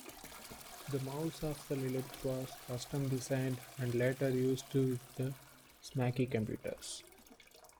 The mouse of the Lilith was custom-designed, and later used with the Smaky computers.